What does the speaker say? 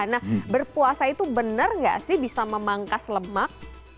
nah berpuasa itu benar nggak sih bisa memangkas lemak